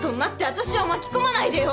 私を巻き込まないでよ！